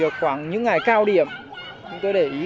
cảm thấy rất là vui